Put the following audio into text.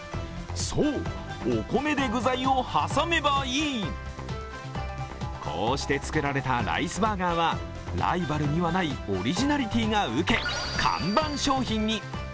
そう、お米で具材を挟めばいい。こうして作られたライスバーガーは、ライバルにはないオリジナリティーが受け看板商品に。